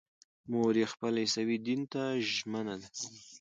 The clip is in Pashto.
مور یې خپل عیسوي دین ته ژمنه ده.